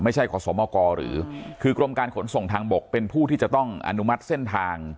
ขอสมกรหรือคือกรมการขนส่งทางบกเป็นผู้ที่จะต้องอนุมัติเส้นทาง